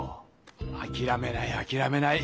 あきらめないあきらめない。